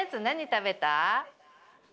何食べた？